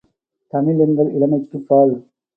தமிழ் எங்கள் இளமைக்குப் பால்